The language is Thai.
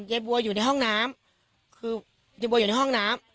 ยายบัวอยู่ในห้องน้ำคือยายบัวอยู่ในห้องน้ำ